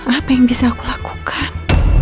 apa yang bisa aku lakukan